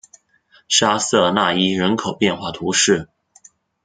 沙瑟讷伊人口变化图示